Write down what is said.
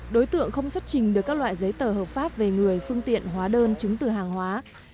đối tượng không xuất trình được các loại giấy tờ hợp pháp về người phương tiện hóa đơn chứng từ hàng hóa